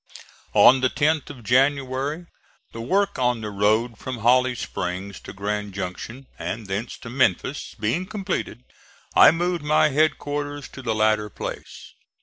On the 10th of January, the work on the road from Holly Springs to Grand Junction and thence to Memphis being completed, I moved my headquarters to the latter place.